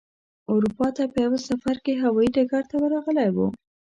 اروپا ته په یوه سفر کې هوايي ډګر ته ورغلی و.